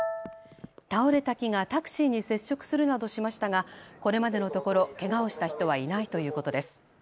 倒れた木がタクシーに接触するなどしましたがこれまでのところけがをした人はいないということです。